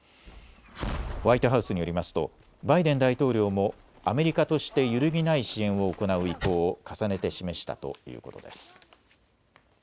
ホワイトハウスによりますとバイデン大統領もアメリカとして揺るぎない支援を行う意向を重ねて示したということです。